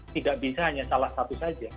tidak bisa hanya salah satu saja